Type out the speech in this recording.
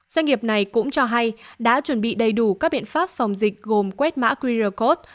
doanh nghiệp này cũng cho hay đã chuẩn bị đầy đủ các biện pháp phòng dịch gồm quét mã qr code